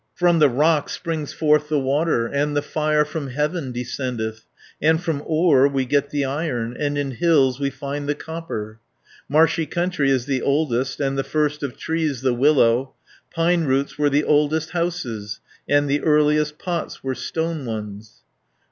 "From the rock springs forth the water, And the fire from heaven descendeth, And from ore we get the iron, And in hills we find the copper. "Marshy country is the oldest, And the first of trees the willow. Pine roots were the oldest houses, And the earliest pots were stone ones."